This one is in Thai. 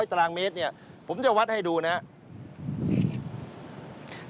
ตารางเมตรเนี่ยผมจะวัดให้ดูนะครับ